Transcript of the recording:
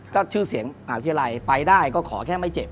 ก็ชื่อเสียงมหาวิทยาลัยไปได้ก็ขอแค่ไม่เจ็บ